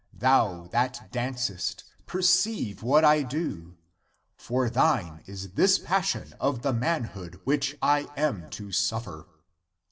Thou that dancest, perceive what I do ; for thine is this passion of the manhood which I am to suffer!